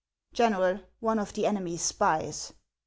" General, one of the enemy's spies."